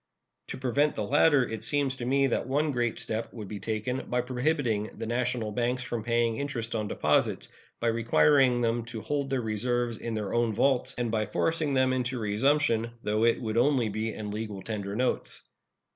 To prevent the latter it seems to me that one great step would be taken by prohibiting the national banks from paying interest on deposits, by requiring them to hold their reserves in their own vaults, and by forcing them into resumption, though it would only be in legal tender notes.